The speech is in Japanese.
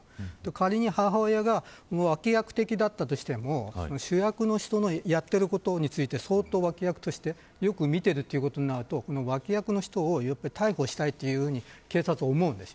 仮に母親が脇役的だったとしても主役の人のやっていることについて脇役として、相当見てるとなるとこの脇役の人を逮捕したいというふうに警察は思うんです。